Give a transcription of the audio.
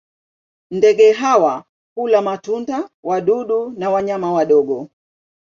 Ndege hawa hula matunda, wadudu na wanyama wadogo.